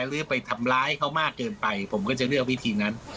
หรือไปทำร้ายเขามากเกินไปผมก็จะเลือกวิธีนั้น